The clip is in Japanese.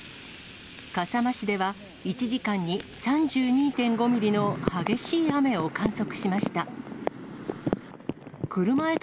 笠間市では１時間に３２．５ミリの激しい雨を観測しました。